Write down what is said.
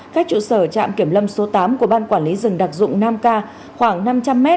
cách trụ sở trạm kiểm lâm số tám của ban quản lý rừng đặc dụng nam ca khoảng năm trăm linh m